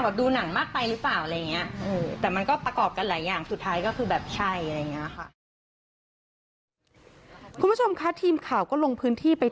แบบดูหนังมากไปหรือเปล่าอะไรอย่างเงี้ยอืม